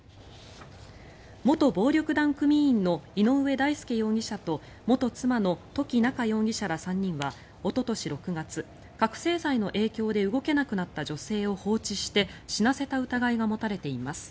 元暴力団組員の井上大輔容疑者と元妻の土岐菜夏容疑者ら３人はおととし６月、覚醒剤の影響で動けなくなった女性を放置して死なせた疑いが持たれています。